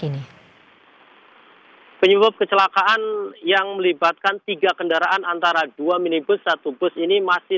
penyebab kecelakaan yang melibatkan tiga kendaraan antara dua minibus satu bus ini masih